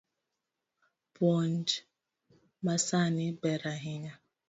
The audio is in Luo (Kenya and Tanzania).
Puonj masani ber ahinya